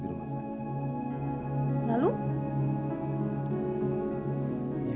sekarang ini lala sedang dirawat di rumah sakit